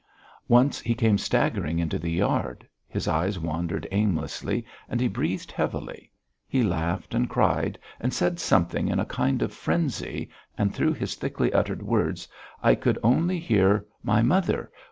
Once he came staggering into the yard. His eyes wandered aimlessly and he breathed heavily; he laughed and cried, and said something in a kind of frenzy, and through his thickly uttered words I could only hear: "My mother?